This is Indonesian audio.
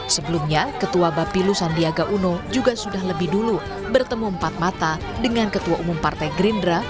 sebelumnya ketua bapilu sandiaga uno juga sudah lebih dulu bertemu empat mata dengan ketua umum partai gerindra